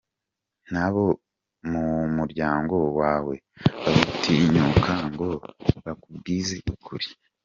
Ntabo mu mulyango wawe bagutinyuka ngo bakubwize ukuri.